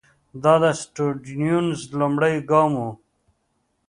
دا د سټیونز لومړنی ګام وو.